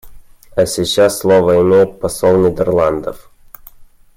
А сейчас слово имеет посол Нидерландов.